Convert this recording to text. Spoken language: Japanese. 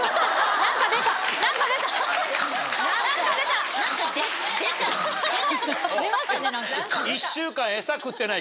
何か出たよ。